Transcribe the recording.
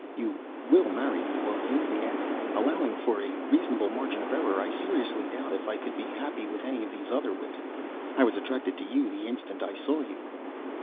"You will marry me, won't you?" he asked. "Allowing for a reasonable margin of error I seriously doubt if I could be happy with any of these other women. I was attracted to you the instant I saw you."